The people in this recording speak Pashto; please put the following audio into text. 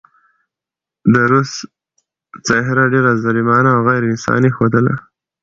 د روس څهره ډېره ظالمانه او غېر انساني ښودله.